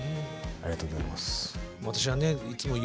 ありがとうございます。